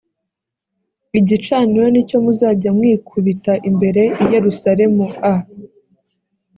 igicaniro ni cyo muzajya mwikubita imbere i yerusalemu a